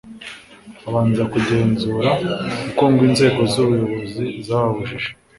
abanza gukenguza ,kuko ngo inzego z'ubuyobozi zababujije